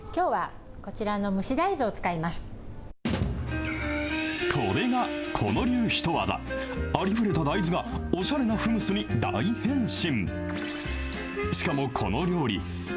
ーこれが狐野流ヒトワザ、ありふれた大豆が、おしゃれなフムスに大変身。